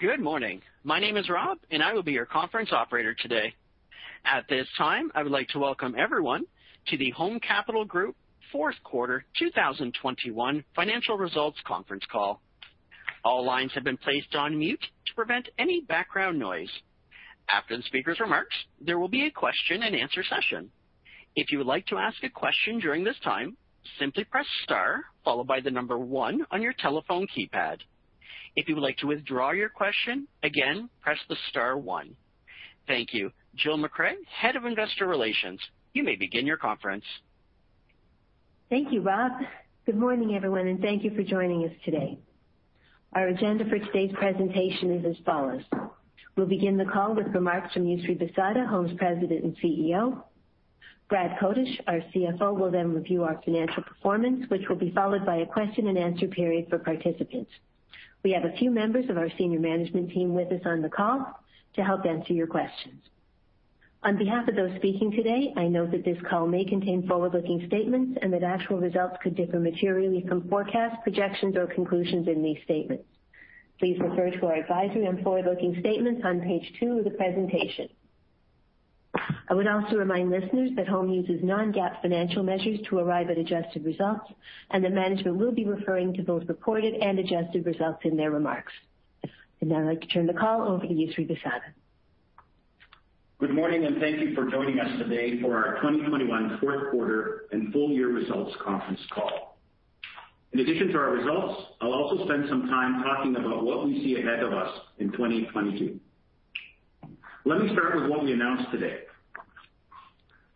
Good morning. My name is Rob, and I will be your conference operator today. At this time, I would like to welcome everyone to the Home Capital Group Fourth Quarter 2021 Financial Results Conference Call. All lines have been placed on mute to prevent any background noise. After the speaker's remarks, there will be a question-and-answer session. If you would like to ask a question during this time, simply press star followed by the number one on your telephone keypad. If you would like to withdraw your question, again, press the star one. Thank you. Jill MacRae, head of investor relations, you may begin your conference. Thank you, Rob. Good morning, everyone, and thank you for joining us today. Our agenda for today's presentation is as follows. We'll begin the call with remarks from Yousry Bissada, Home's President and CEO. Brad Kotush, our CFO, will then review our financial performance, which will be followed by a question-and-answer period for participants. We have a few members of our senior management team with us on the call to help answer your questions. On behalf of those speaking today, I note that this call may contain forward-looking statements and that actual results could differ materially from forecasts, projections, or conclusions in these statements. Please refer to our advisory on forward-looking statements on page two of the presentation. I would also remind listeners that Home uses non-GAAP financial measures to arrive at adjusted results, and that management will be referring to both reported and adjusted results in their remarks. I'd now like to turn the call over to Yousry Bissada. Good morning, and thank you for joining us today for our 2021 fourth quarter and full year results conference call. In addition to our results, I'll also spend some time talking about what we see ahead of us in 2022. Let me start with what we announced today.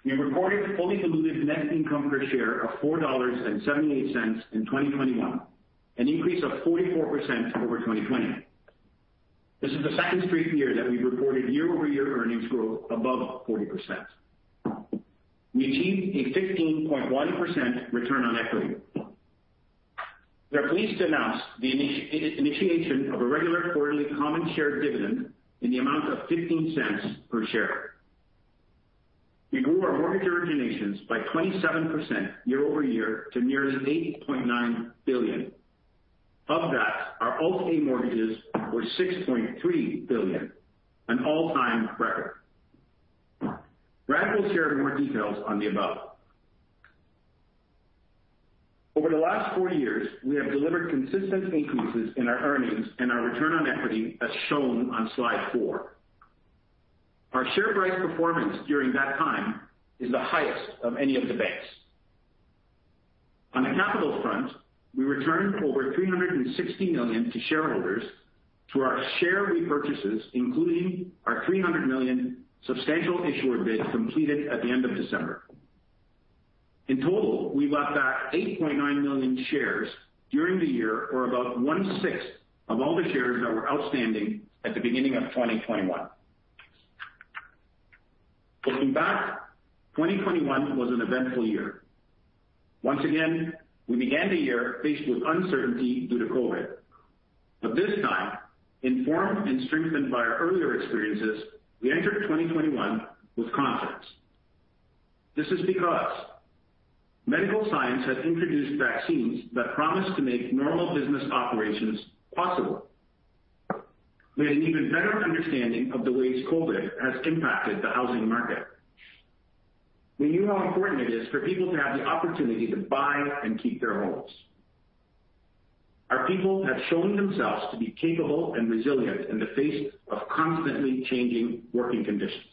We reported fully diluted net income per share of 4.78 dollars in 2021, an increase of 44% over 2020. This is the second straight year that we've reported year-over-year earnings growth above 40%. We achieved a 15.1% return on equity. We are pleased to announce the initiation of a regular quarterly common share dividend in the amount of 0.15 per share. We grew our mortgage origination's by 27% year-over-year to nearly 80.9 billion. Of that, our Alt-A mortgages were 6.3 billion, an all-time record. Brad will share more details on the above. Over the last 4 years, we have delivered consistent increases in our earnings and our return on equity, as shown on slide 4. Our share price performance during that time is the highest of any of the banks. On the capital front, we returned over 360 million to shareholders through our share repurchases, including our 300 million substantial issuer bid completed at the end of December. In total, we bought back 8.9 million shares during the year, or about one-sixth of all the shares that were outstanding at the beginning of 2021. Looking back, 2021 was an eventful year. Once again, we began the year faced with uncertainty due to COVID. This time, informed and strengthened by our earlier experiences, we entered 2021 with confidence. This is because medical science has introduced vaccines that promise to make normal business operations possible. We had an even better understanding of the ways COVID has impacted the housing market. We knew how important it is for people to have the opportunity to buy and keep their homes. Our people have shown themselves to be capable and resilient in the face of constantly changing working conditions.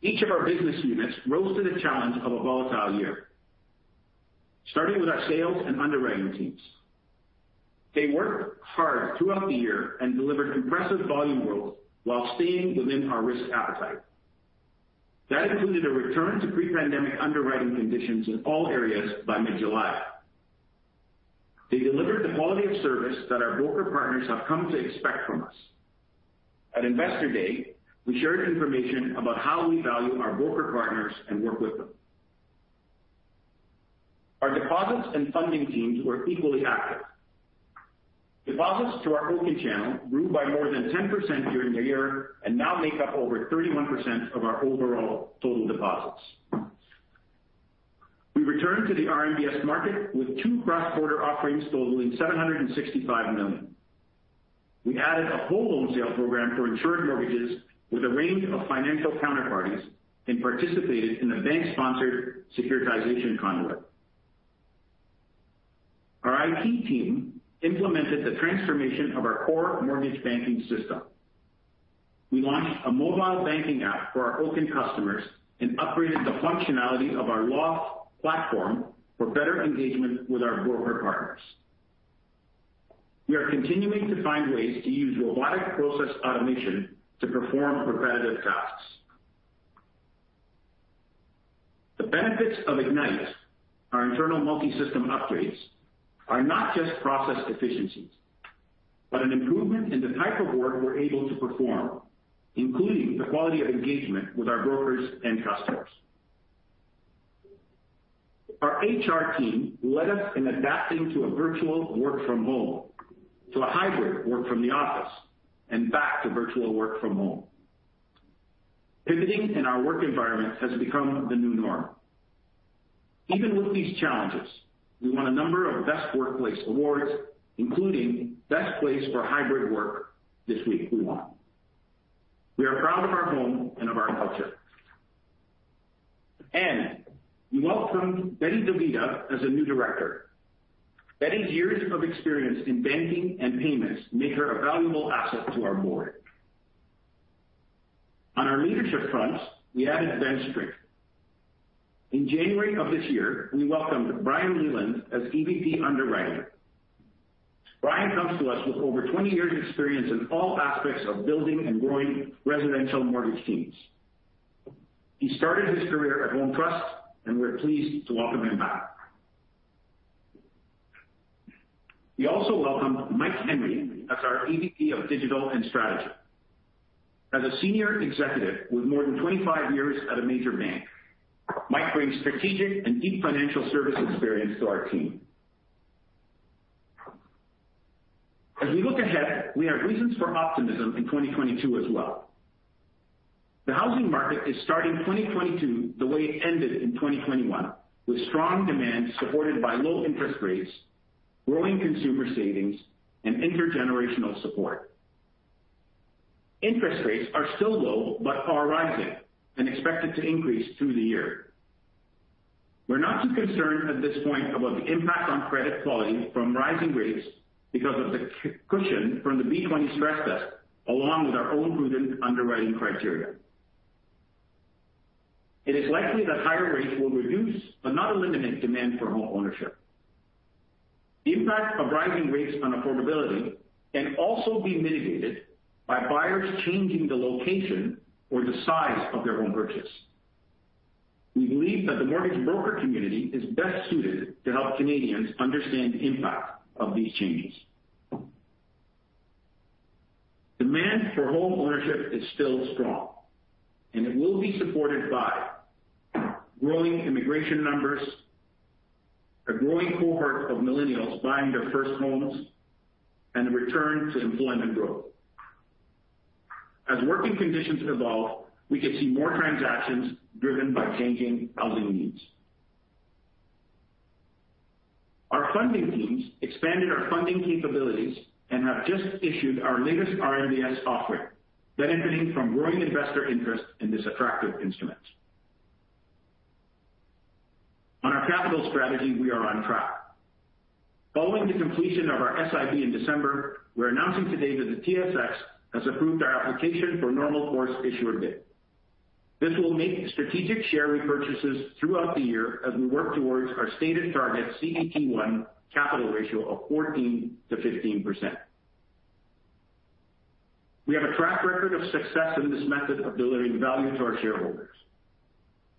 Each of our business units rose to the challenge of a volatile year, starting with our sales and underwriting teams. They worked hard throughout the year and delivered impressive volume growth while staying within our risk appetite. That included a return to pre-pandemic underwriting conditions in all areas by mid-July. They delivered the quality of service that our broker partners have come to expect from us. At Investor Day, we shared information about how we value our broker partners and work with them. Our deposits and funding teams were equally active. Deposits through our Oaken channel grew by more than 10% during the year and now make up over 31% of our overall total deposits. We returned to the RMBS market with two cross-border offerings totaling 765 million. We added a whole loan sale program for insured mortgages with a range of financial counter-parties and participated in a bank-sponsored securitization conduit. Our IT team implemented the transformation of our core mortgage banking system. We launched a mobile banking app for our Oaken customers and upgraded the functionality of our LOFT platform for better engagement with our broker partners. We are continuing to find ways to use robotic process automation to perform repetitive tasks. The benefits of Ignite, our internal multi-system upgrades, are not just process efficiencies, but an improvement in the type of work we're able to perform, including the quality of engagement with our brokers and customers. Our HR team led us in adapting to a virtual work-from-home, to a hybrid work from the office, and back to virtual work from home. Pivoting in our work environment has become the new norm. Even with these challenges, we won a number of best workplace awards, including best place for hybrid work this week we won. We are proud of our Home and of our culture. We welcomed Betty DeVita as a new director. Betty's years of experience in banking and payments make her a valuable asset to our board. On our leadership fronts, we added bench strength. In January of this year, we welcomed Brian Leland as EVP Underwriting. Brian comes to us with over 20 years experience in all aspects of building and growing residential mortgage teams. He started his career at Home Trust, and we're pleased to welcome him back. We also welcomed Mike Henry as our EVP of Digital and Strategy. As a senior executive with more than 25 years at a major bank, Mike brings strategic and deep financial service experience to our team. As we look ahead, we have reasons for optimism in 2022 as well. The housing market is starting 2022 the way it ended in 2021, with strong demand supported by low interest rates, growing consumer savings, and inter-generational support. Interest rates are still low, but are rising and expected to increase through the year. We're not too concerned at this point about the impact on credit quality from rising rates because of the cushion from the B20 stress test, along with our own prudent underwriting criteria. It is likely that higher rates will reduce, but not eliminate demand for home ownership. The impact of rising rates on affordability can also be mitigated by buyers changing the location or the size of their home purchase. We believe that the mortgage broker community is best suited to help Canadians understand the impact of these changes. Demand for homeownership is still strong, and it will be supported by growing immigration numbers, a growing cohort of millennials buying their first homes, and the return to employment growth. As working conditions evolve, we could see more transactions driven by changing housing needs. Our funding teams expanded our funding capabilities and have just issued our latest RMBS offering, benefiting from growing investor interest in this attractive instrument. On our capital strategy, we are on track. Following the completion of our SIB in December, we're announcing today that the TSX has approved our application for normal course issuer bid. This will make strategic share repurchases throughout the year as we work towards our stated target CET1 capital ratio of 14%-15%. We have a track record of success in this method of delivering value to our shareholders.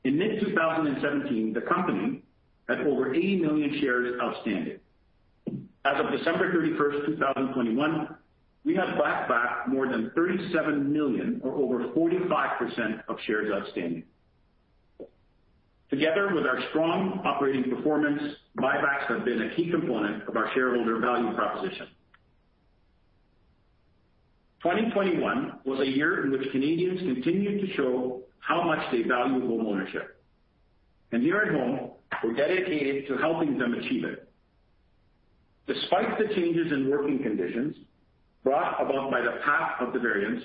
In mid-2017, the company had over 80 million shares outstanding. As of December 31, 2021, we have bought back more than 37 million or over 45% of shares outstanding. Together with our strong operating performance, buybacks have been a key component of our shareholder value proposition. 2021 was a year in which Canadians continued to show how much they value home ownership. Here at Home, we're dedicated to helping them achieve it. Despite the changes in working conditions brought about by the path of the variants,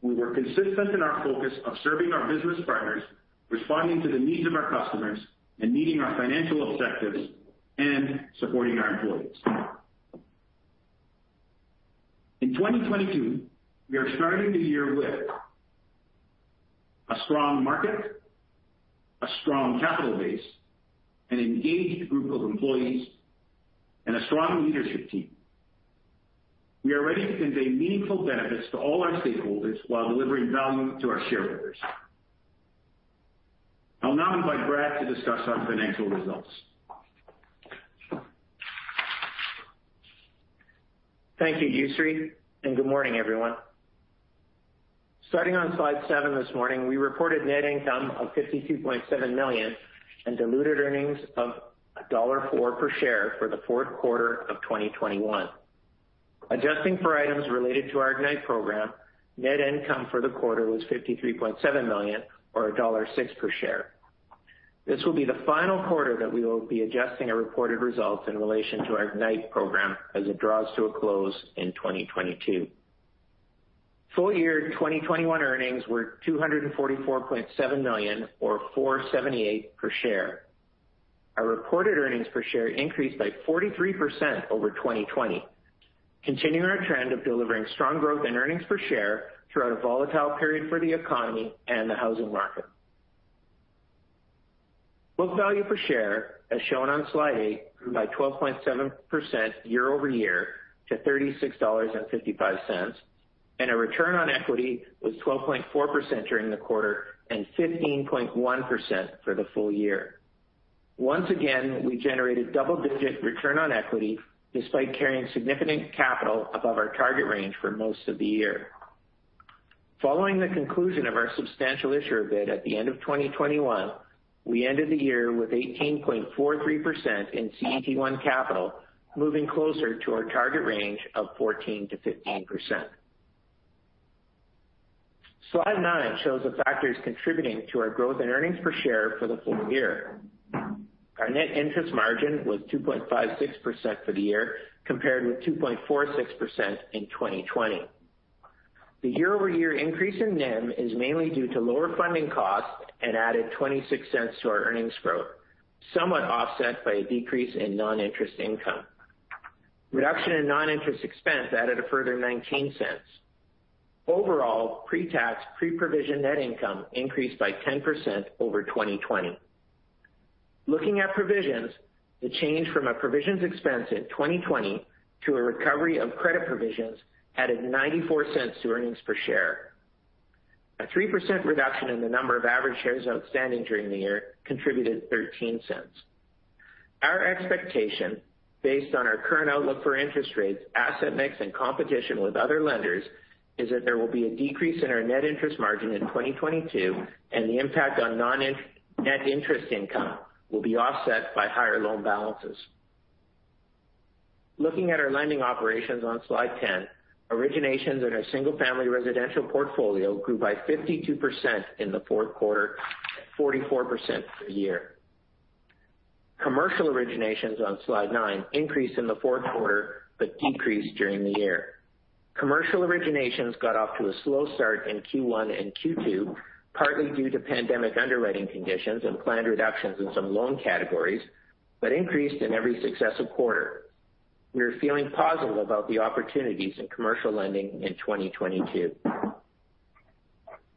we were consistent in our focus of serving our business partners, responding to the needs of our customers, and meeting our financial objectives and supporting our employees. In 2022, we are starting the year with a strong market, a strong capital base, an engaged group of employees, and a strong leadership team. We are ready to convey meaningful benefits to all our stakeholders while delivering value to our shareholders. I'll now invite Brad to discuss our financial results. Thank you, Yousry, and good morning, everyone. Starting on slide 7 this morning, we reported net income of 52.7 million and diluted earnings of dollar 1.04 per share for the fourth quarter of 2021. Adjusting for items related to our Ignite program, net income for the quarter was 53.7 million or dollar 1.06 per share. This will be the final quarter that we will be adjusting our reported results in relation to our Ignite program as it draws to a close in 2022. Full year 2021 earnings were 244.7 million or 4.78 per share. Our reported earnings per share increased by 43% over 2020, continuing our trend of delivering strong growth in earnings per share throughout a volatile period for the economy and the housing market. Book value per share, as shown on slide 8, grew by 12.7% year-over-year to 36.55 dollars, and our return on equity was 12.4% during the quarter and 15.1% for the full year. Once again, we generated double-digit return on equity despite carrying significant capital above our target range for most of the year. Following the conclusion of our substantial issuer bid at the end of 2021, we ended the year with 18.43% in CET1 capital, moving closer to our target range of 14%-15%. Slide 9 shows the factors contributing to our growth and earnings per share for the full year. Our net interest margin was 2.56% for the year, compared with 2.46% in 2020. The year-over-year increase in NIM is mainly due to lower funding costs and added 26 cents to our earnings growth, somewhat offset by a decrease in non-interest income. Reduction in non-interest expense added a further 19 cents. Overall, pre-tax, pre-provision net income increased by 10% over 2020. Looking at provisions, the change from a provisions expense in 2020 to a recovery of credit provisions added 94 cents to earnings per share. A 3% reduction in the number of average shares outstanding during the year contributed 13 cents. Our expectation, based on our current outlook for interest rates, asset mix, and competition with other lenders, is that there will be a decrease in our net interest margin in 2022, and the impact on net interest income will be offset by higher loan balances. Looking at our lending operations on slide 10, originations in our single-family residential portfolio grew by 52% in the fourth quarter, 44% for the year. Commercial originations on slide 9 increased in the fourth quarter but decreased during the year. Commercial originations got off to a slow start in Q1 and Q2, partly due to pandemic underwriting conditions and planned reductions in some loan categories, but increased in every successive quarter. We are feeling positive about the opportunities in commercial lending in 2022.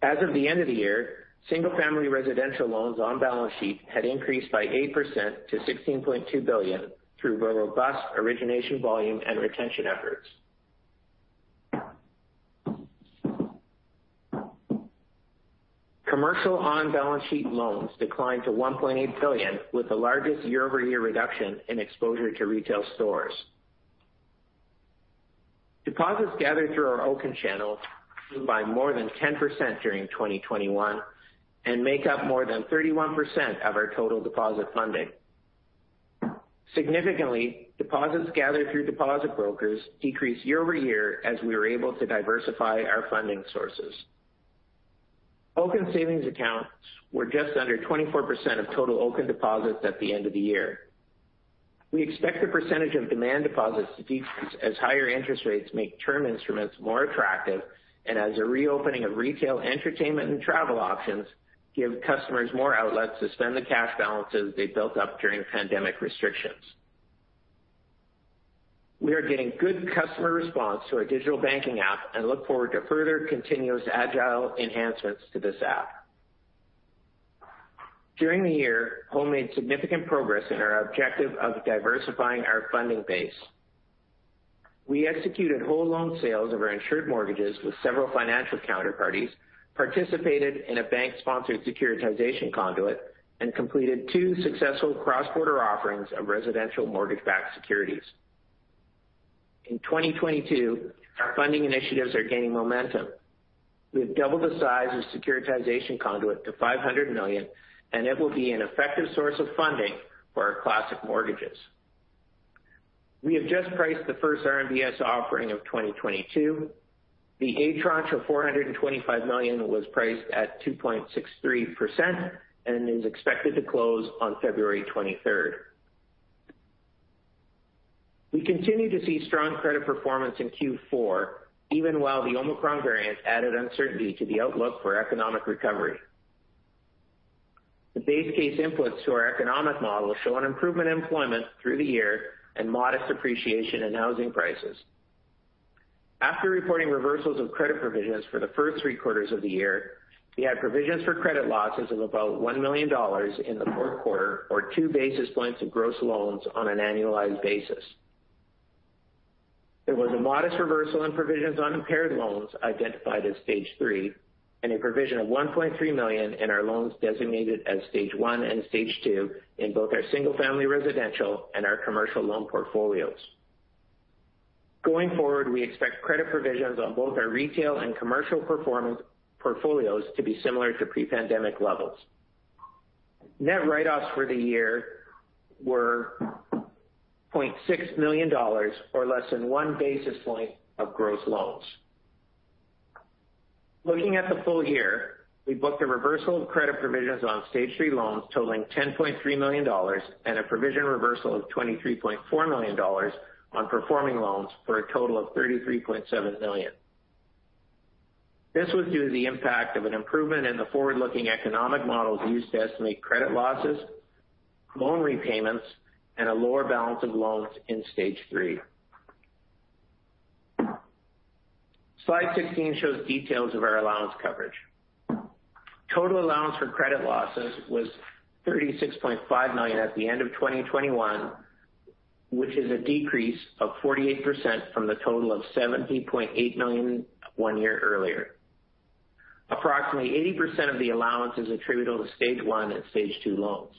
As of the end of the year, single-family residential loans on balance sheet had increased by 8% to 16.2 billion through robust origination volume and retention efforts. Commercial on-balance sheet loans declined to 1.8 billion, with the largest year-over-year reduction in exposure to retail stores. Deposits gathered through our Oaken channel grew by more than 10% during 2021 and make up more than 31% of our total deposit funding. Significantly, deposits gathered through deposit brokers decreased year-over-year as we were able to diversify our funding sources. Oaken savings accounts were just under 24% of total Oaken deposits at the end of the year. We expect the percentage of demand deposits to decrease as higher interest rates make term instruments more attractive and as a reopening of retail, entertainment, and travel options give customers more outlets to spend the cash balances they built up during pandemic restrictions. We are getting good customer response to our digital banking app and look forward to further continuous agile enhancements to this app. During the year, Home made significant progress in our objective of diversifying our funding base. We executed whole loan sales of our insured mortgages with several financial counter-parties, participated in a bank-sponsored securitization conduit, and completed two successful cross-border offerings of residential mortgage-backed securities. In 2022, our funding initiatives are gaining momentum. We have doubled the size of securitization conduit to 500 million, and it will be an effective source of funding for our classic mortgages. We have just priced the first RMBS offering of 2022. The A tranche of 425 million was priced at 2.63% and is expected to close on February 23. We continue to see strong credit performance in Q4, even while the Omicron variant added uncertainty to the outlook for economic recovery. The base case inputs to our economic model show an improvement in employment through the year and modest appreciation in housing prices. After reporting reversals of credit provisions for the first three quarters of the year, we had provisions for credit losses of about 1 million dollars in the fourth quarter, or 2 basis points of gross loans on an annualized basis. There was a modest reversal in provisions on impaired loans identified as Stage 3 and a provision of 1.3 million in our loans designated as Stage 1 and Stage 2 in both our single-family residential and our commercial loan portfolios. Going forward, we expect credit provisions on both our retail and commercial portfolios to be similar to pre-pandemic levels. Net write-offs for the year were 0.6 million dollars, or less than 1 basis point of gross loans. Looking at the full year, we booked a reversal of credit provisions on Stage 3 loans totaling 10.3 million dollars and a provision reversal of 23.4 million dollars on performing loans, for a total of 33.7 million. This was due to the impact of an improvement in the forward-looking economic models used to estimate credit losses, loan repayments, and a lower balance of loans in Stage 3. Slide 16 shows details of our allowance coverage. Total allowance for credit losses was 36.5 million at the end of 2021, which is a decrease of 48% from the total of 78.8 million one year earlier. Approximately 80% of the allowance is attributable to Stage 1 and Stage 2 loans.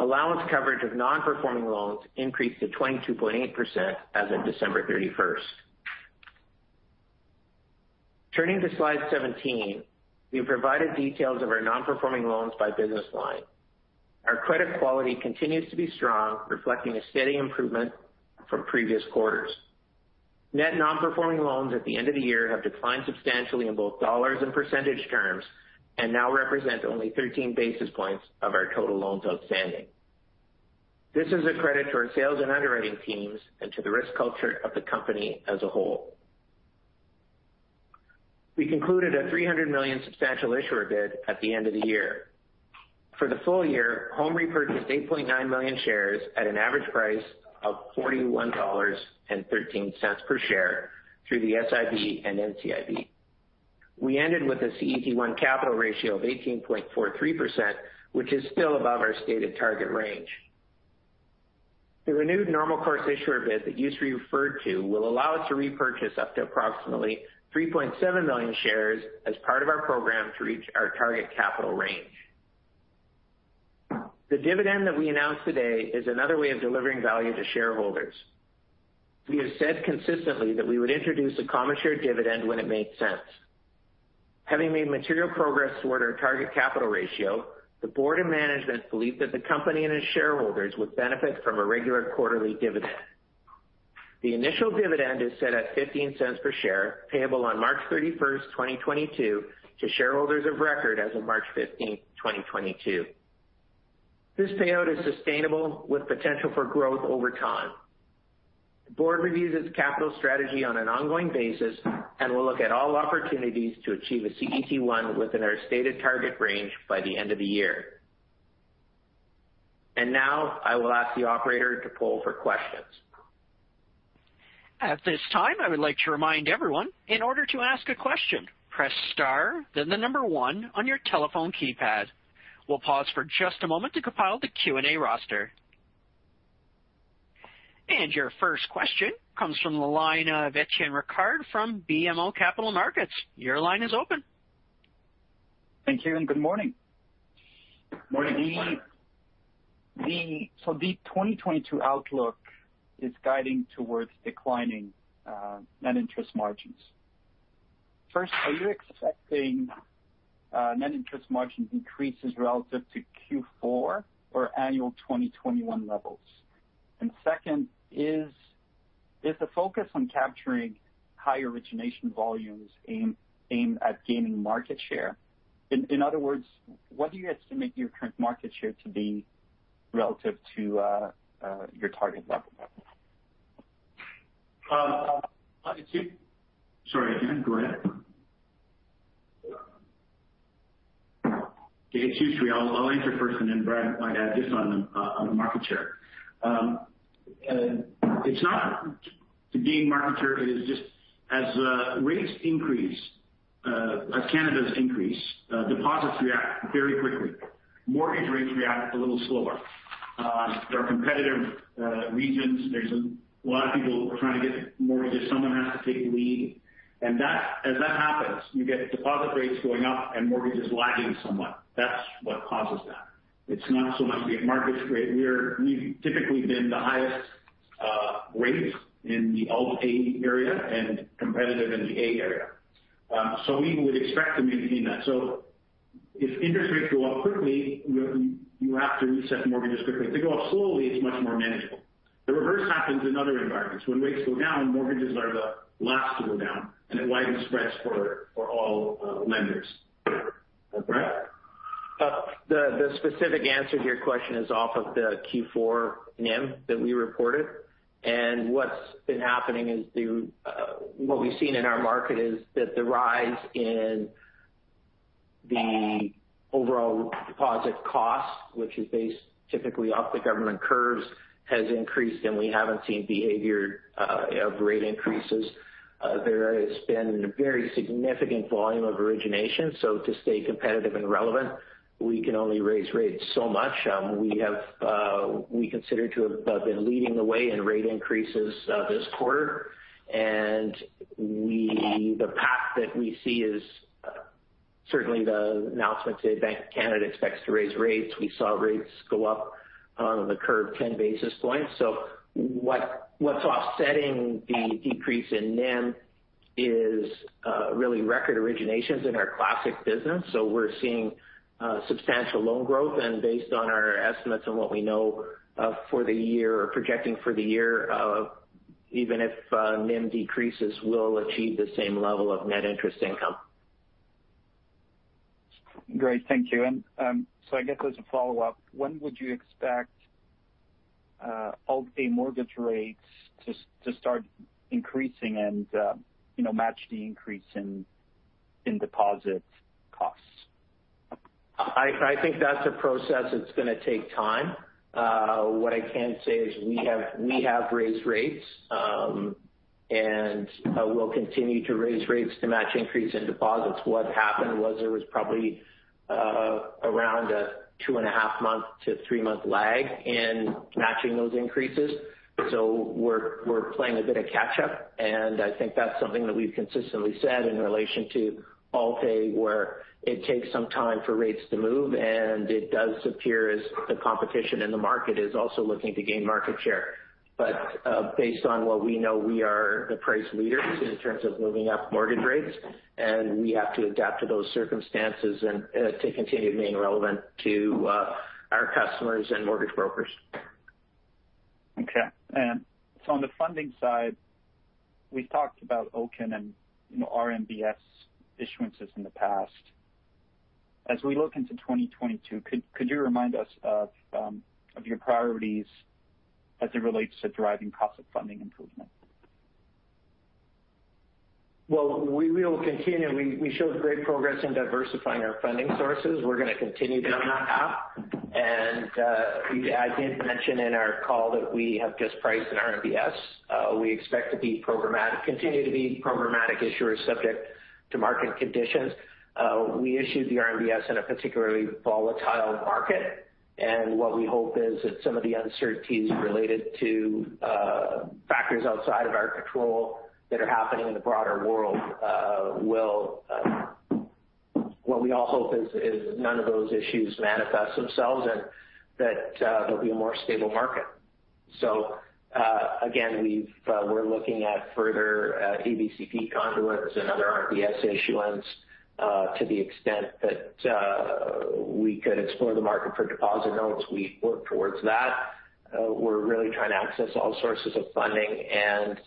Allowance coverage of non-performing loans increased to 22.8% as of December 31. Turning to slide 17, we have provided details of our non-performing loans by business line. Our credit quality continues to be strong, reflecting a steady improvement from previous quarters. Net non-performing loans at the end of the year have declined substantially in both dollars and percentage terms, and now represent only 13 basis points of our total loans outstanding. This is a credit to our sales and underwriting teams and to the risk culture of the company as a whole. We concluded a 300 million substantial issuer bid at the end of the year. For the full year, Home repurchased 8.9 million shares at an average price of 41.13 dollars per share through the SIB and NCIB. We ended with a CET1 capital ratio of 18.43%, which is still above our stated target range. The renewed normal course issuer bid that Yousry referred to will allow us to repurchase up to approximately 3.7 million shares as part of our program to reach our target capital range. The dividend that we announced today is another way of delivering value to shareholders. We have said consistently that we would introduce a common share dividend when it made sense. Having made material progress toward our target capital ratio, the board and management believe that the company and its shareholders would benefit from a regular quarterly dividend. The initial dividend is set at 0.15 per share, payable on March 31, 2022 to shareholders of record as of March 15, 2022. This payout is sustainable with potential for growth over time. The board reviews its capital strategy on an ongoing basis and will look at all opportunities to achieve a CET1 within our stated target range by the end of the year. Now, I will ask the operator to poll for questions. At this time, I would like to remind everyone, in order to ask a question, press star, then the number one on your telephone keypad. We'll pause for just a moment to compile the Q&A roster. Your first question comes from the line of Étienne Ricard from BMO Capital Markets. Your line is open. Thank you, and good morning. Morning. The 2022 outlook is guiding towards declining net interest margins. First, are you expecting net interest margin increases relative to Q4 or annual 2021 levels? Second, is the focus on capturing higher origination volumes aimed at gaining market share? In other words, what do you estimate your current market share to be relative to your target level? Um, Sorry, again, go ahead. It's Yousry. I'll answer first, and then Brad might add this on the market share. It's not to gain market share. It is just as rates increase, as Canada's increase, deposits react very quickly. Mortgage rates react a little slower. There are competitive regions. There's a lot of people trying to get mortgages. Someone has to take the lead. As that happens, you get deposit rates going up and mortgages lagging somewhat. That's what causes that. It's not so much the market rate. We've typically been the highest rates in the Alt-A area and competitive in the A area. We would expect to maintain that. If interest rates go up quickly, you have to reset mortgages quickly. If they go up slowly, it's much more manageable. The reverse happens in other environments. When rates go down, mortgages are the last to go down, and it widens spreads for all lenders. Brad? The specific answer to your question is off of the Q4 NIM that we reported. What's been happening is what we've seen in our market is that the rise in the overall deposit cost, which is based typically off the government curves, has increased, and we haven't seen behavior of rate increases. There has been a very significant volume of origination. To stay competitive and relevant, we can only raise rates so much. We consider to have been leading the way in rate increases this quarter. The path that we see is certainly the announcement today. Bank of Canada expects to raise rates. We saw rates go up on the curve 10 basis points. What's offsetting the decrease in NIM is really record originations in our classic business. We're seeing substantial loan growth. Based on our estimates and what we know for the year, we're projecting for the year, even if NIM decreases, we'll achieve the same level of net interest income. Great. Thank you. I guess as a follow-up, when would you expect Alt-A mortgage rates to start increasing and, you know, match the increase in deposit costs? I think that's a process that's gonna take time. What I can say is we have raised rates, and we'll continue to raise rates to match increase in deposits. What happened was there was probably around a 2.5-month to 3-month lag in matching those increases. We're playing a bit of catch-up, and I think that's something that we've consistently said in relation to Alt-A, where it takes some time for rates to move, and it does appear as the competition in the market is also looking to gain market share. Based on what we know, we are the price leader in terms of moving up mortgage rates, and we have to adapt to those circumstances and to continue being relevant to our customers and mortgage brokers. Okay. On the funding side, we've talked about Oaken and, you know, RMBS issuances in the past. As we look into 2022, could you remind us of your priorities as it relates to driving cost of funding improvement? Well, we will continue. We showed great progress in diversifying our funding sources. We're gonna continue down that path. I did mention in our call that we have just priced an RMBS. We expect to continue to be programmatic issuers subject to market conditions. We issued the RMBS in a particularly volatile market, and what we hope is that some of the uncertainties related to factors outside of our control that are happening in the broader world will. What we all hope is none of those issues manifest themselves and that there'll be a more stable market. Again, we're looking at further ABCP conduits and other RMBS issuance. To the extent that we could explore the market for deposit notes, we work towards that. We're really trying to access all sources of funding and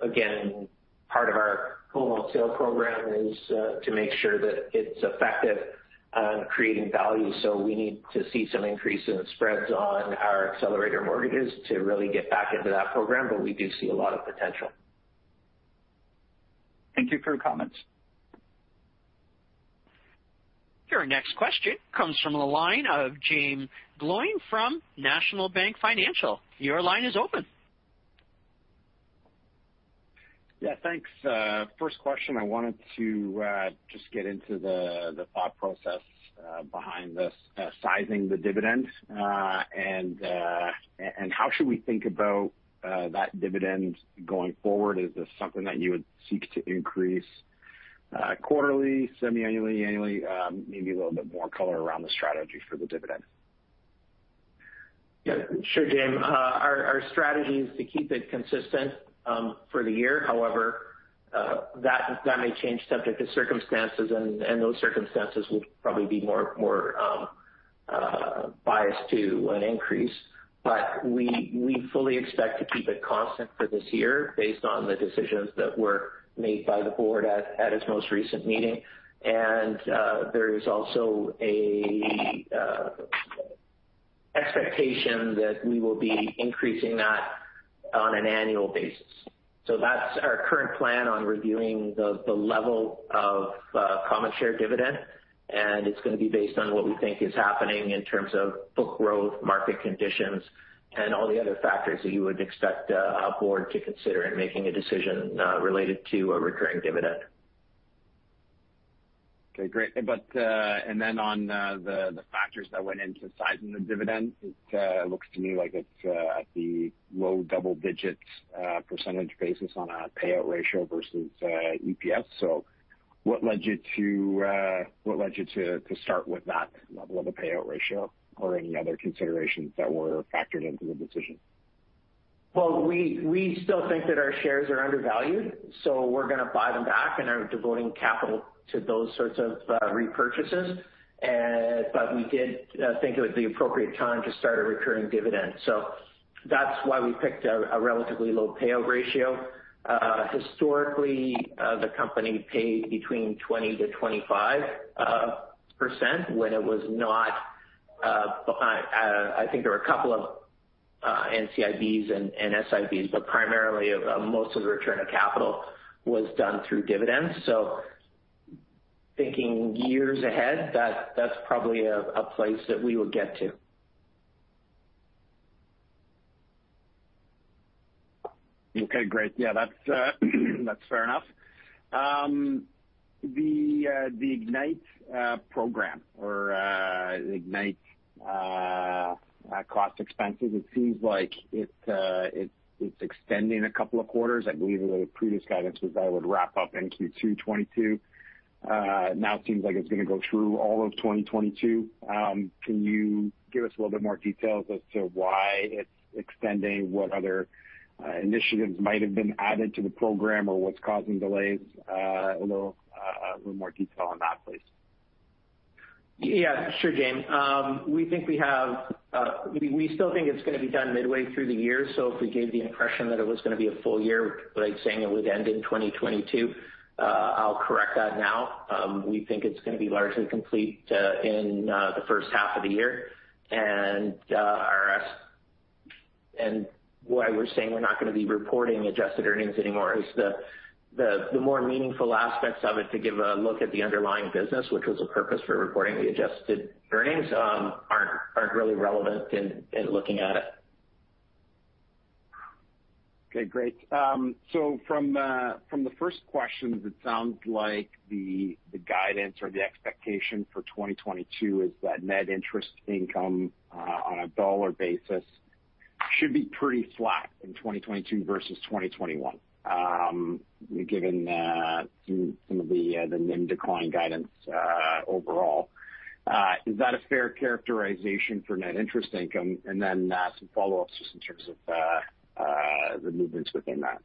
again, part of our whole wholesale program is to make sure that it's effective on creating value. We need to see some increase in the spreads on our Accelerator mortgages to really get back into that program. We do see a lot of potential. Thank you for your comments. Your next question comes from the line of Jaeme Gloyn from National Bank Financial. Your line is open. Yeah, thanks. First question, I wanted to just get into the thought process behind this sizing the dividend. How should we think about that dividend going forward? Is this something that you would seek to increase quarterly, semi-annually, annually? Maybe a little bit more color around the strategy for the dividend. Yeah, sure Jaeme. Our strategy is to keep it consistent for the year. However, that may change subject to circumstances and those circumstances will probably be more biased to an increase. We fully expect to keep it constant for this year based on the decisions that were made by the board at its most recent meeting. There is also an expectation that we will be increasing that on an annual basis. That's our current plan on reviewing the level of common share dividend, and it's gonna be based on what we think is happening in terms of book growth, market conditions, and all the other factors that you would expect a board to consider in making a decision related to a recurring dividend. Okay, great. And then on the factors that went into sizing the dividend, it looks to me like it's at the low double digits percentage basis on a payout ratio versus EPS. What led you to start with that level of a payout ratio or any other considerations that were factored into the decision? We still think that our shares are undervalued, so we're gonna buy them back and are devoting capital to those sorts of repurchases. But we did think it was the appropriate time to start a recurring dividend. That's why we picked a relatively low payout ratio. Historically, the company paid between 20%-25% when it was not, I think there were a couple of NCIBs and SIBs, but primarily, most of the return of capital was done through dividends. Thinking years ahead, that's probably a place that we would get to. Okay, great. Yeah, that's fair enough. The Ignite program or Ignite cost expenses, it seems like it's extending a couple of quarters. I believe the previous guidance was that it would wrap up in Q2 '22. Now it seems like it's gonna go through all of 2022. Can you give us a little bit more details as to why it's extending? What other initiatives might have been added to the program? Or what's causing delays? A little more detail on that please. Yeah, sure, Jaeme. We still think it's gonna be done midway through the year. If we gave the impression that it was gonna be a full year, like saying it would end in 2022, I'll correct that now. We think it's gonna be largely complete in the first half of the year. Why we're saying we're not gonna be reporting adjusted earnings anymore is the more meaningful aspects of it to give a look at the underlying business, which was a purpose for reporting the adjusted earnings, aren't really relevant in looking at it. Okay, great. So from the first question, it sounds like the guidance or the expectation for 2022 is that net interest income on a dollar basis should be pretty flat in 2022 versus 2021, given some of the NIM decline guidance overall. Is that a fair characterization for net interest income? Then, some follow-ups just in terms of the movements within that.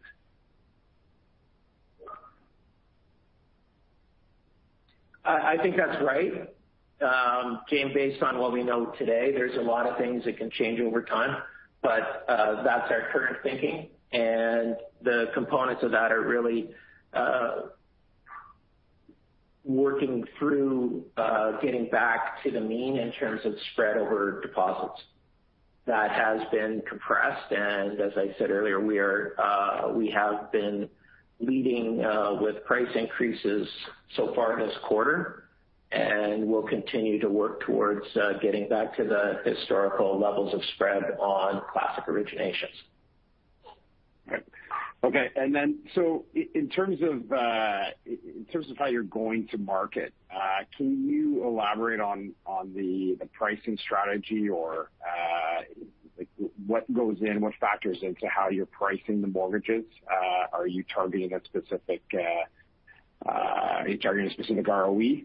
I think that's right. Jaeme based on what we know today, there's a lot of things that can change over time, but that's our current thinking. The components of that are really working through getting back to the mean in terms of spread over deposits. That has been compressed, and as I said earlier, we have been leading with price increases so far this quarter, and we'll continue to work towards getting back to the historical levels of spread on classic originations. Okay. In terms of how you're going to market, can you elaborate on the pricing strategy or like what goes in, what factors into how you're pricing the mortgages? Are you targeting a specific ROE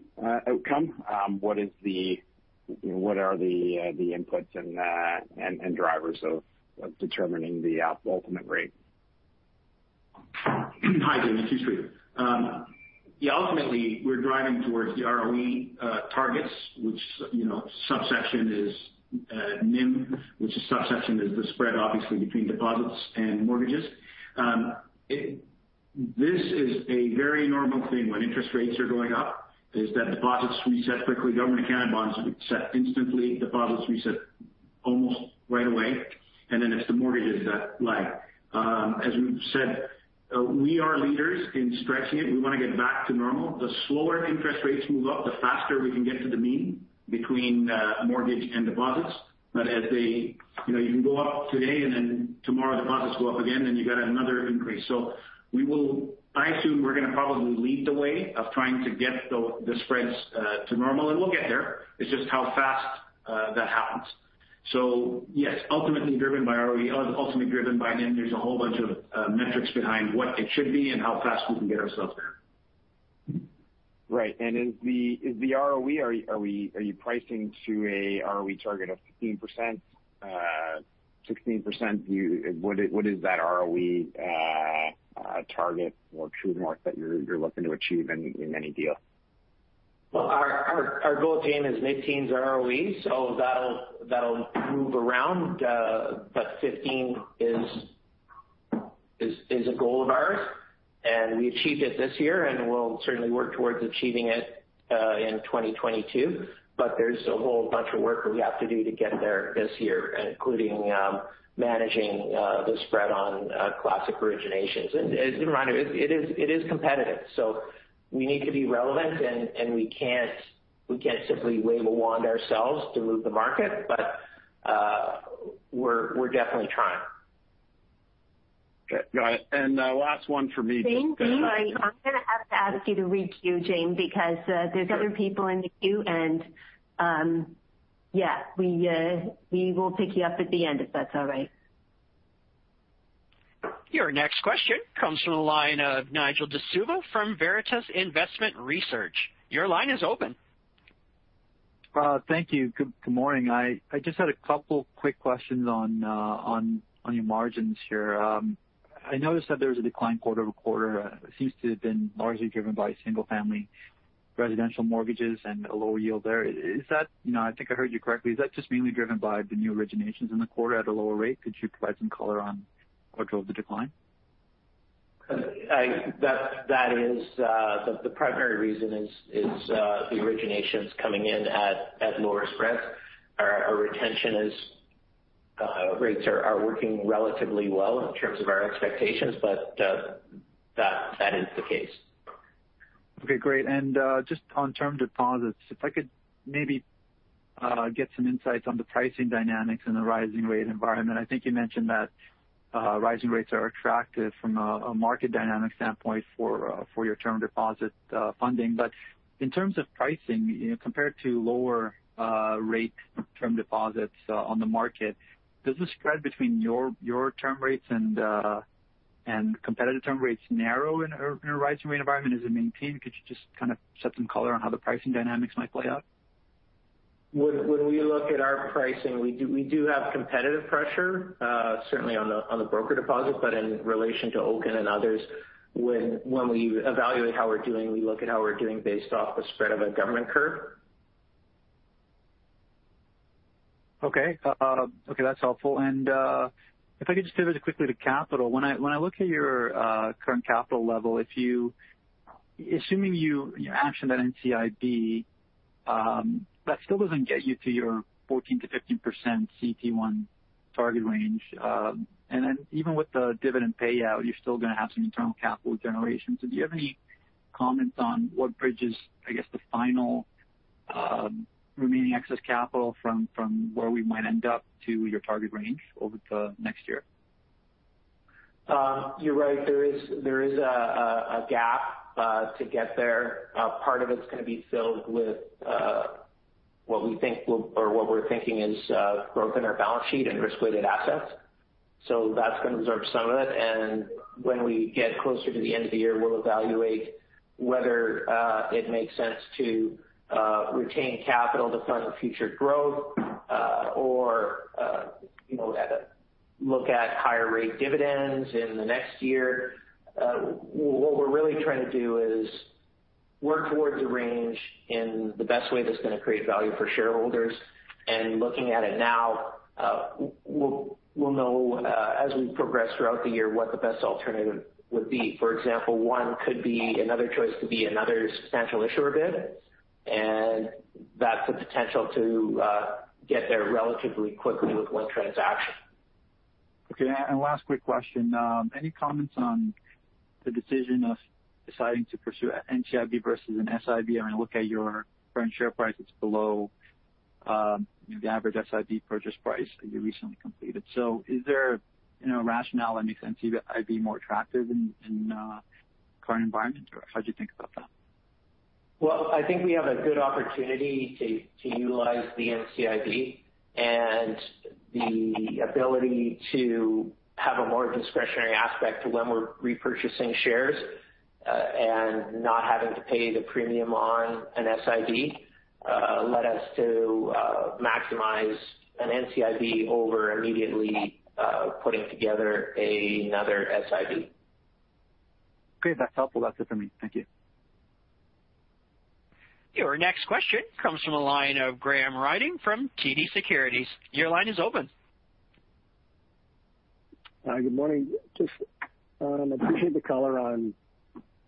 outcome? What are the inputs and drivers of determining the ultimate rate? Hi, Jaeme. It's Yousry Bissada. Ultimately, we're driving towards the ROE targets, which subsection is NIM, which a subsection is the spread obviously between deposits and mortgages. This is a very normal thing when interest rates are going up, is that deposits reset quickly. Government account bonds reset instantly. Deposits reset almost right away. It's the mortgages that lag. As we've said, we are leaders in stretching it. We wanna get back to normal. The slower interest rates move up, the faster we can get to the mean between mortgage and deposits. As they, you can go up today, and then tomorrow, deposits go up again, then you got another increase. I assume we're gonna probably lead the way of trying to get the spreads to normal, and we'll get there. It's just how fast that happens. Yes, ultimately driven by ROE, ultimately driven by NIM. There's a whole bunch of metrics behind what it should be and how fast we can get ourselves there. Right. Are you pricing to a ROE target of 15%, 16% view? What is that ROE target or true north that you're looking to achieve in any deal? Well, our goal, Jaeme, is mid-teens ROE, so that'll move around. Fifteen is a goal of ours, and we achieved it this year, and we'll certainly work towards achieving it in 2022. There's a whole bunch of work that we have to do to get there this year, including managing the spread on classic originations. Keep in mind it is competitive, so we need to be relevant, and we can't simply wave a wand ourselves to move the market. We're definitely trying. Okay. Got it. Last one for me just. James, sorry. I'm gonna have to ask you to re-queue, James, because there's other people in the queue and, yeah. We will pick you up at the end, if that's all right. Your next question comes from the line of Nigel D'Souza from Veritas Investment Research. Your line is open. Thank you. Good morning. I just had a couple quick questions on your margins here. I noticed that there was a decline quarter-over-quarter, seems to have been largely driven by single-family residential mortgages and a lower yield there. I think I heard you correctly. Is that just mainly driven by the new originations in the quarter at a lower rate? Could you provide some color on what drove the decline? That is the primary reason, the originations coming in at lower spreads. Our retention rates are working relatively well in terms of our expectations, but that is the case. Okay, great. Just on term deposits, if I could maybe get some insights on the pricing dynamics in the rising rate environment. I think you mentioned that rising rates are attractive from a market dynamic standpoint for your term deposit funding. In terms of pricing, you know, compared to lower rate term deposits on the market, does the spread between your term rates and competitive term rates narrow in a rising rate environment? Is it maintained? Could you just kind of shed some color on how the pricing dynamics might play out? When we look at our pricing, we do have competitive pressure, certainly on the broker deposit, but in relation to Oaken and others, when we evaluate how we're doing, we look at how we're doing based off the spread of a government curve. Okay. Okay, that's helpful. If I could just pivot quickly to capital. When I look at your current capital level, assuming you action that NCIB, that still doesn't get you to your 14%-15% CET1 target range. Even with the dividend payout, you're still gonna have some internal capital generation. Do you have any comments on what bridges, I guess, the final remaining excess capital from where we might end up to your target range over the next year? You're right. There is a gap to get there. Part of it's gonna be filled with what we're thinking is growth in our balance sheet and risk-weighted assets. So that's gonna absorb some of it. When we get closer to the end of the year, we'll evaluate whether it makes sense to retain capital to fund future growth, or you know, look at higher rate dividends in the next year. What we're really trying to do is work towards the range in the best way that's going to create value for shareholders. Looking at it now, we'll know as we progress throughout the year what the best alternative would be. For example, another choice could be another substantial issuer bid, and that's the potential to get there relatively quickly with one transaction. Okay. Last quick question. Any comments on the decision of deciding to pursue NCIB versus an SIB? I mean, look at your current share price. It's below the average SIB purchase price that you recently completed. Is there, you know, a rationale that makes NCIB more attractive in current environment or how'd you think about that? Well, I think we have a good opportunity to utilize the NCIB and the ability to have a more discretionary aspect to when we're repurchasing shares, and not having to pay the premium on an SIB, led us to maximize an NCIB over immediately putting together another SIB. Okay. That's helpful. That's it for me. Thank you. Your next question comes from the line of Graham Ryding from TD Securities. Your line is open. Good morning. Just appreciate the color on,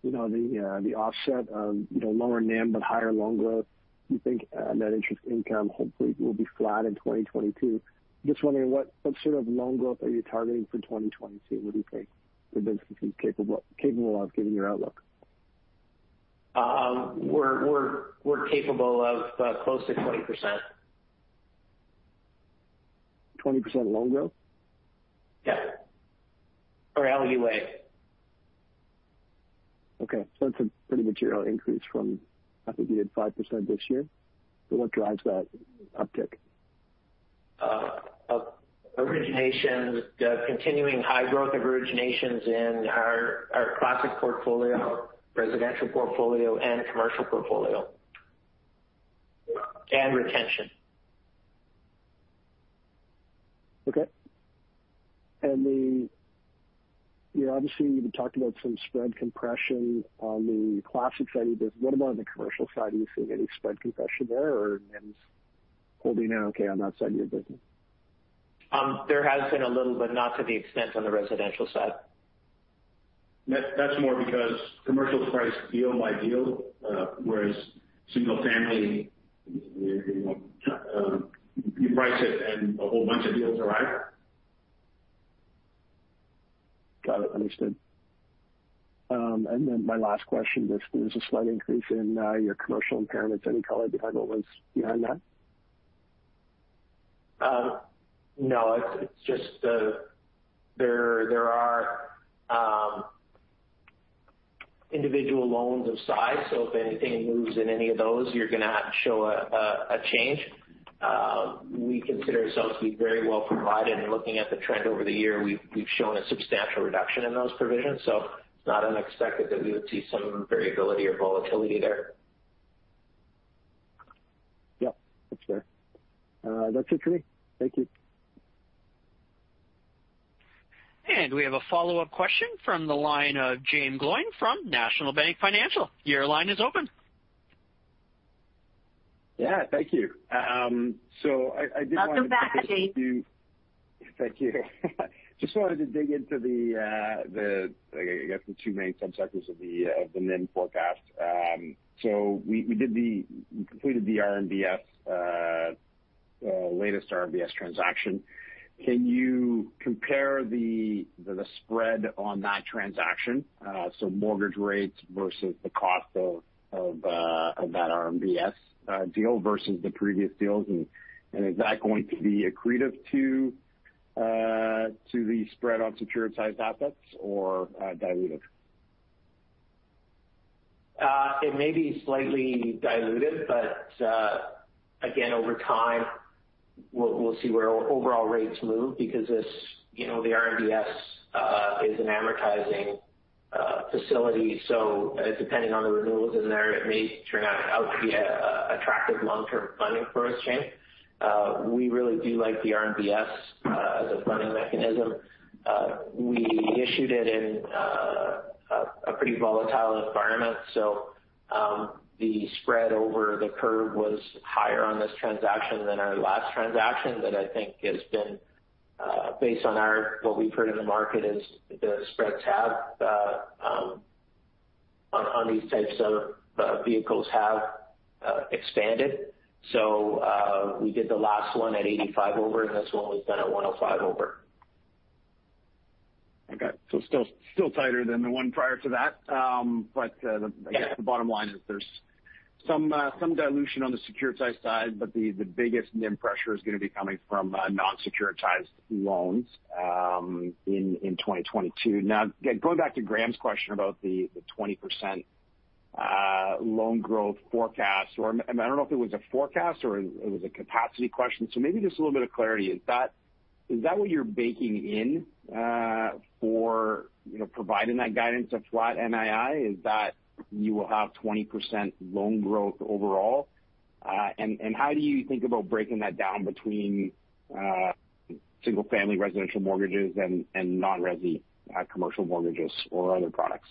you know, the offset of, you know, lower NIM but higher loan growth. You think net interest income hopefully will be flat in 2022. Just wondering what sort of loan growth are you targeting for 2022? What do you think the business is capable of given your outlook? We're capable of close to 20%. 20% loan growth? Yeah. TLA. Okay. That's a pretty material increase from, I think you had 5% this year. What drives that uptick? Originations. The continuing high growth of originations in our classic portfolio, residential portfolio and commercial portfolio. Retention. Okay. You know, obviously, you talked about some spread compression on the classic side of your business. What about on the commercial side? Are you seeing any spread compression there, or NIM's holding okay on that side of your business? There has been a little, but not to the extent on the residential side. That's more because commercial price deal by deal, whereas single family, you know, you price it and a whole bunch of deals arrive. Got it. Understood. Then my last question is there's a slight increase in your commercial impairments. Any color behind what was behind that? No, it's just there are individual loans of size, so if anything moves in any of those, you're gonna show a change. We consider ourselves to be very well provided. Looking at the trend over the year, we've shown a substantial reduction in those provisions, so it's not unexpected that we would see some variability or volatility there. Yep, that's fair. That's it for me. Thank you. We have a follow-up question from the line of Jaeme Gloyn from National Bank Financial. Your line is open. Yeah, thank you. I did want to- Not so fast, Jaeme. Thank you. Just wanted to dig into the, I guess, two main subsectors of the NIM forecast. So we completed the latest RMBS transaction. Can you compare the spread on that transaction, so mortgage rates versus the cost of that RMBS deal versus the previous deals? Is that going to be accretive to the spread on securitized assets or dilutive? It may be slightly diluted, but again, over time, we'll see where overall rates move because this, you know, the RMBS is an amortizing facility, so depending on the renewals in there, it may turn out to be an attractive long-term funding for us, James. We really do like the RMBS as a funding mechanism. We issued it in a pretty volatile environment so the spread over the curve was higher on this transaction than our last transaction. Based on what we've heard in the market, the spreads on these types of vehicles have expanded. We did the last one at 85 over, and this one was done at 105 over. Okay. Still tighter than the one prior to that. I guess the bottom line is there's some dilution on the securitized side, but the biggest NIM pressure is gonna be coming from non-securitized loans in 2022. Going back to Graham's question about the 20% loan growth forecast, or I don't know if it was a forecast or it was a capacity question. Maybe just a little bit of clarity. Is that what you're baking in for, you know, providing that guidance of flat NII? Is that you will have 20% loan growth overall? How do you think about breaking that down between single family residential mortgages and non-resi commercial mortgages or other products?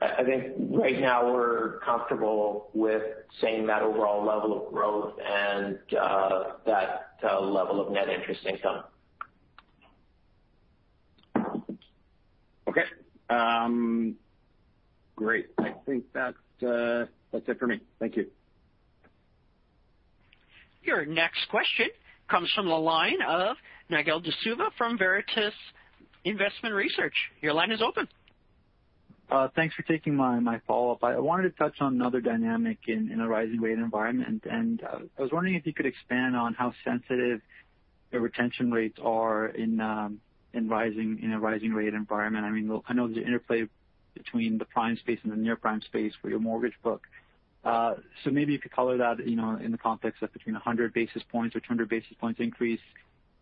I think right now we're comfortable with saying that overall level of growth and that level of net interest income. Okay. Great. I think that's it for me. Thank you. Your next question comes from the line of Nigel D'Souza from Veritas Investment Research. Your line is open. Thanks for taking my follow-up. I wanted to touch on another dynamic in a rising rate environment. I was wondering if you could expand on how sensitive the retention rates are in a rising rate environment. I mean, I know the interplay between the prime space and the near prime space for your mortgage book. So maybe you could color that, you know, in the context of between 100 basis points or 200 basis points increase,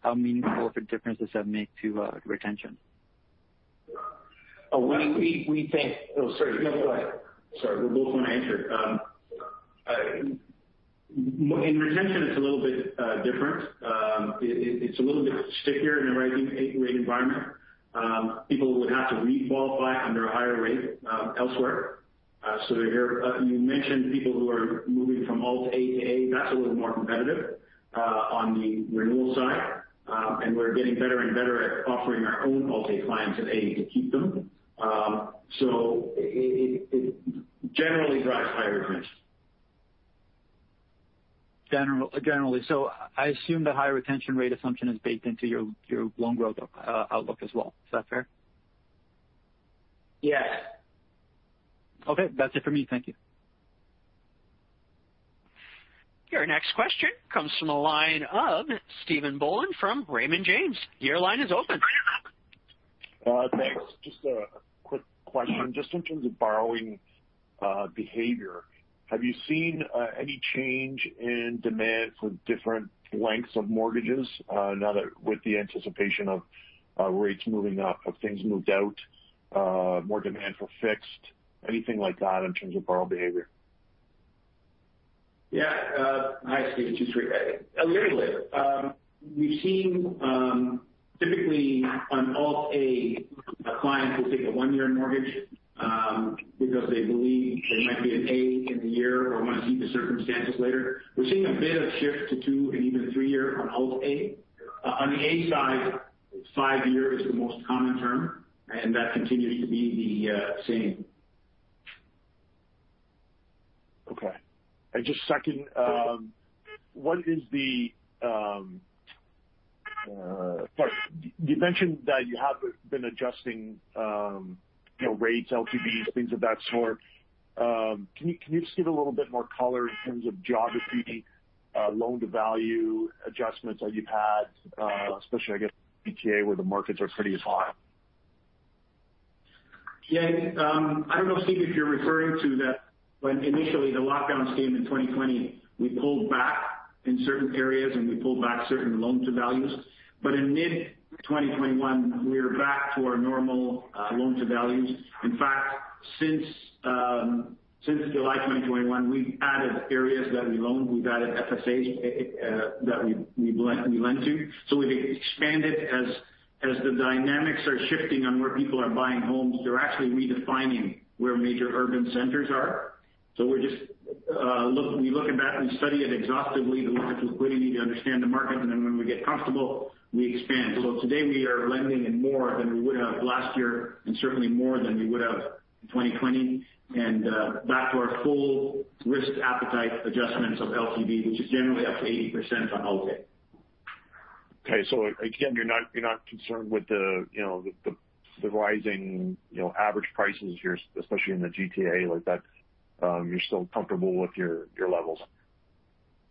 how meaningful of a difference does that make to retention? We both want to answer. In retention, it's a little bit different. It's a little bit stickier in a rising rate environment. People would have to requalify under a higher rate elsewhere. You mentioned people who are moving from Alt-A to A, that's a little more competitive on the renewal side. We're getting better and better at offering our own Alt-A clients an A to keep them. It generally drives higher retention. Generally. I assume the higher retention rate assumption is baked into your loan growth outlook as well. Is that fair? Yes. Okay. That's it for me. Thank you. Your next question comes from the line of Stephen Boland from Raymond James. Your line is open. Thanks. Just a quick question. Just in terms of borrowing behavior, have you seen any change in demand for different lengths of mortgages, with the anticipation of rates moving up? Have things moved out, more demand for fixed? Anything like that in terms of borrower behavior? Yeah. Hi, Steven. It's Yousry. A little bit. We've seen, typically on Alt-A, a client will take a 1-year mortgage, because they believe they might be at A in a year or want to keep their circumstances later. We're seeing a bit of shift to 2- and even 3-year on Alt-A. On the A side, 5-year is the most common term, and that continues to be the same. You mentioned that you have been adjusting, you know, rates, LTVs, things of that sort. Can you just give a little bit more color in terms of geography, loan-to-value adjustments that you've had, especially I guess GTA, where the markets are pretty hot. Yeah. I don't know, Steven, if you're referring to that when initially the lockdowns came in 2020, we pulled back in certain areas and we pulled back certain loan-to-values. In mid-2021, we're back to our normal loan-to-values. In fact, since July 2021, we've added areas that we loan. We've added FSA that we lend to. We've expanded. As the dynamics are shifting on where people are buying homes, they're actually redefining where major urban centers are. We're just looking back, we study it exhaustively, we look at liquidity to understand the market, and then when we get comfortable, we expand. Today we are lending more than we would have last year and certainly more than we would have in 2020 and back to our full risk appetite adjustments of LTV, which is generally up to 80% on Alt-A. Okay. Again, you're not concerned with you know, the rising, you know, average prices here, especially in the GTA, like that. You're still comfortable with your levels.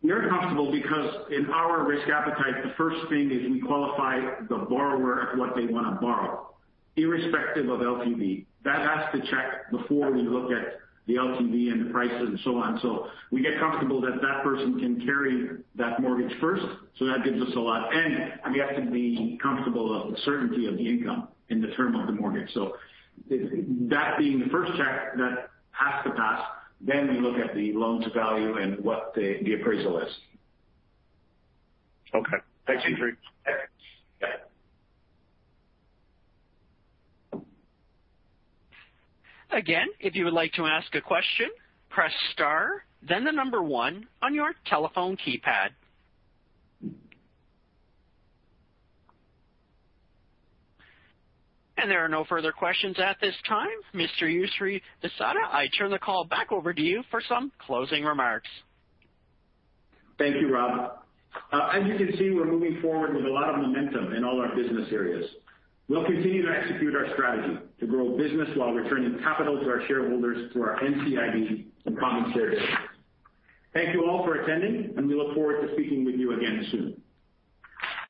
We are comfortable because in our risk appetite, the first thing is we qualify the borrower at what they want to borrow irrespective of LTV. That has to check before we look at the LTV and the prices and so on. We get comfortable that person can carry that mortgage first, so that gives us a lot. We have to be comfortable of the certainty of the income in the term of the mortgage. That being the first check that has to pass, then we look at the loan's value and what the appraisal is. Okay. Thanks, Yousry. Yeah. Again, if you would like to ask a question, press star then the number one on your telephone keypad. There are no further questions at this time. Mr. Yousry Bissada, I turn the call back over to you for some closing remarks. Thank you, Rob. As you can see, we're moving forward with a lot of momentum in all our business areas. We'll continue to execute our strategy to grow business while returning capital to our shareholders through our NCIB and common shares. Thank you all for attending, and we look forward to speaking with you again soon.